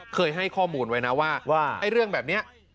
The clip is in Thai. เคยให้ข้อมูลไว้นะว่าไอ้เรื่องแบบนี้